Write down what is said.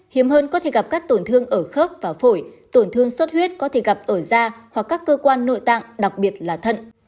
hiếm hơn có thể gặp các tổn thương ở khớp và phổi tổn thương suốt huyết có thể gặp ở da hoặc các cơ quan nội tạng đặc biệt là thận